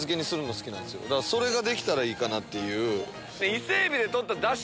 だからそれができたらいいかなっていう。